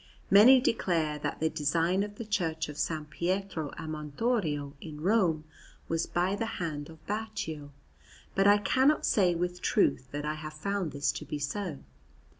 Many declare that the design of the Church of S. Pietro a Montorio in Rome was by the hand of Baccio, but I cannot say with truth that I have found this to be so.